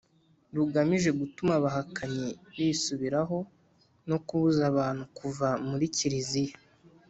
rugamije gutuma abahakanyi bisubiraho no kubuza abantu kuva muri kiliziya